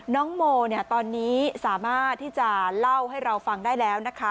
น้องโมตอนนี้สามารถที่จะเล่าให้เราฟังได้แล้วนะคะ